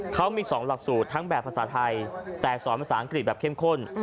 เขามี๒หลักสูตรทั้งแบบภาษาไทยแต่สอนภาษาอังกฤษแบบเข้มข้น